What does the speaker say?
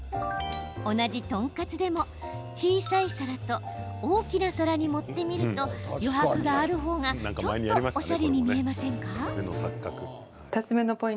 同じトンカツでも、小さい皿と大きな皿に盛ってみると余白がある方がちょっとおしゃれに見えませんか。